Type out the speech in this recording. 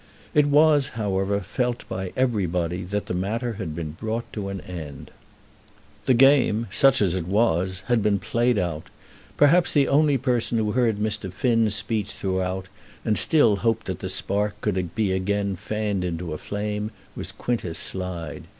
It was, however, felt by everybody that the matter had been brought to an end. The game, such as it was, had been played out. Perhaps the only person who heard Mr. Finn's speech throughout, and still hoped that the spark could be again fanned into a flame, was Quintus Slide.